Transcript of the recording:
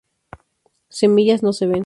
Semillas no se ven.